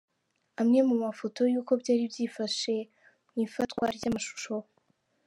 Amwe mu mafoto y’uko byari byifashe mu ifatwa ry’amashusho.